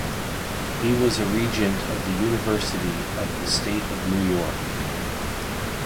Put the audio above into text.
He was a regent of the University of the State of New York.